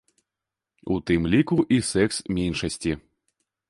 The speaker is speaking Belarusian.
У тым ліку і секс-меншасці.